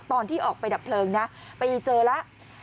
ตอนที่ออกไปดับเพลิงนะไปเจอแล้ว